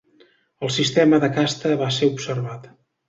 El sistema de casta va ser observat.